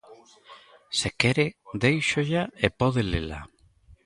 Se quere, déixolla, e pode lela.